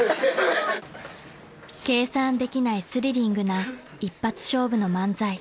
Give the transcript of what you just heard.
［計算できないスリリングな一発勝負の漫才］